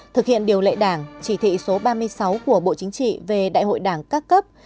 thực hiện điều lệ đảng chỉ thị số ba mươi sáu của bộ chính trị về đại hội đảng các cấp